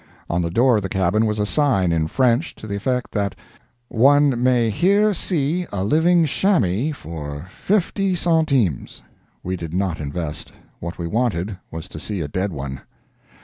On the door of the cabin was a sign, in French, to the effect that "One may here see a living chamois for fifty centimes." We did not invest; what we wanted was to see a dead one.